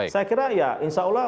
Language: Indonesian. saya kira ya insya allah